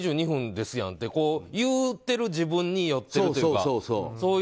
２２分ですやんってこう、言うてる自分に酔ってるというか。